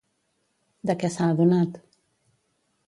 De què s'ha adonat?